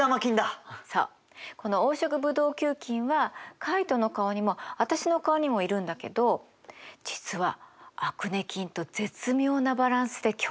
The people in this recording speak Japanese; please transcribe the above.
この黄色ブドウ球菌はカイトの顔にも私の顔にもいるんだけど実はアクネ菌と絶妙なバランスで共存してるのよ。